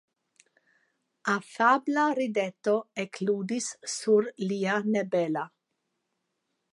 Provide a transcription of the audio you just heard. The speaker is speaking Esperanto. Afabla rideto ekludis sur lia nebela.